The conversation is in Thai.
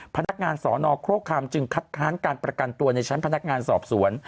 พนักงานสอนอโครคามจึงคัดค้านการประกันตัวในชั้นพนักงานสอบสวน